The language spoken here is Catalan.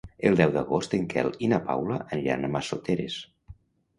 El deu d'agost en Quel i na Paula aniran a Massoteres.